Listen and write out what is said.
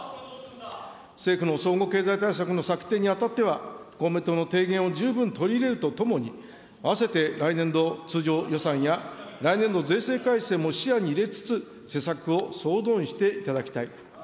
政府の総合経済対策の策定に当たっては、公明党の提言を十分に取り入れるとともに、併せて来年度通常予算や、来年度税制改正も視野に入れつつ、施策を総動員していただきたい。